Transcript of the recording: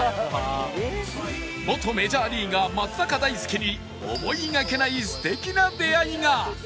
元メジャーリーガー松坂大輔に思いがけない素敵な出会いが